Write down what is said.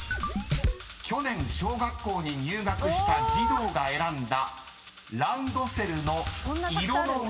［去年小学校に入学した児童が選んだランドセルの色のウチワケを答えろ］